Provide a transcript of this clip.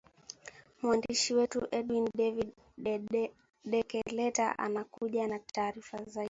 mwandishi wetu edwin david deketela anakuja na taarifa zaidi